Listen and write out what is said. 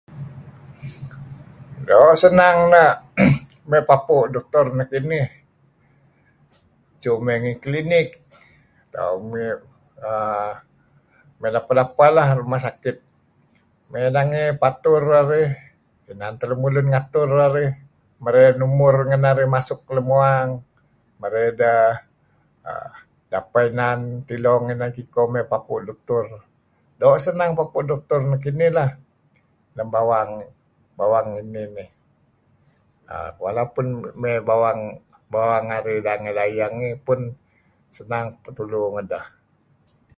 Doo' senang na' may papu' ngen doctor kinih. Su my ngi Klinik tauh may yapeh-yapeh ngi klinik may nangey patur narih inan teh lemulun ngatur rarih marey numur ngen narih masuk len uang marey ideh yapeh inan tilung inan kiko papu' doctor. Doo' senang papu' doctor kinih lah lem bawang kamih nih lah.